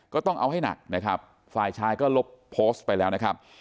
ก็ต้องเอาให้หนักนะครับฝ่ายชายก็ลบโพสต์ไปแล้วนะครับ